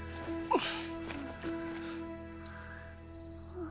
あっ！